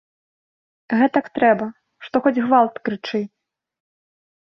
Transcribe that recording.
Гэтак трэба, што хоць гвалт крычы.